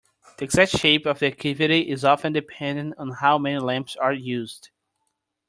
The exact shape of the cavity is often dependent on how many lamps are used.